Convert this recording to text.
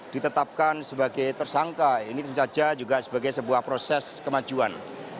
ditetapkan sebagai tersangka ini tentu saja juga sebagai sebuah proses kemajuan